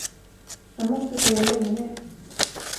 Han måste gå länge.